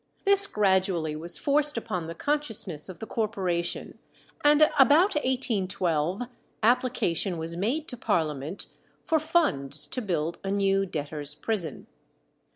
This gradually was forced upon the consciousness of the Corporation, and about 1812 application was made to Parliament for funds to build a new debtors' prison.